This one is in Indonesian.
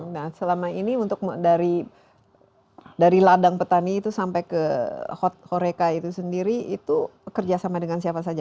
nah selama ini untuk dari ladang petani itu sampai ke horeca itu sendiri itu kerjasama dengan siapa saja